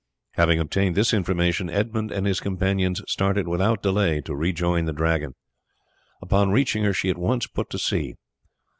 Having obtained this information, Edmund and his companions started without delay to rejoin the Dragon. Upon reaching her she at once put to sea.